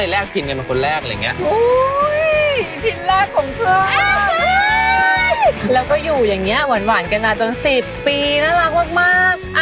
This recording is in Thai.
แล้วก็อยู่อย่างเนี้ยหวานหวานกันนะจนสิบปีน่ารักมากมาก